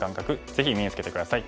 ぜひ身につけて下さい。